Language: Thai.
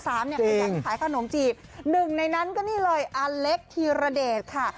ขยันขายขนมจีบหนึ่งในนั้นก็นี่เลยอเล็กธีรเดชค่ะ